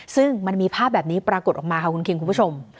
ซึ่งมันมีภาพแบบนี้ปรากฏออกมาค่ะคุณคิงคุณผู้ชม